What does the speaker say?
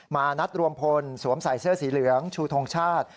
นัดรวมพลสวมใส่เสื้อสีเหลืองชูทงชาติ